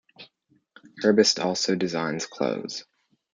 Herbst also designs clothes.